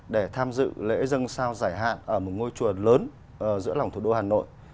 để tham dự lễ dân sao giải hạn ở một ngôi chùa lớn giữa lòng thủ đô hà nội